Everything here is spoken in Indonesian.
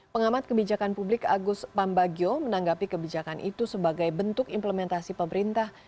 pengamat kebijakan publik agus pambagio menanggapi kebijakan itu sebagai bentuk implementasi pemerintah